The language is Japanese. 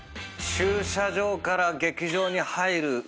駐車場から楽屋に入る。